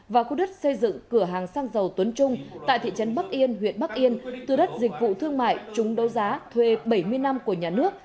và khu đất xây dựng cửa hàng xăng dầu tuấn trung tại thị trấn bắc yên huyện bắc yên từ đất dịch vụ thương mại chúng đấu giá thuê bảy mươi năm của nhà nước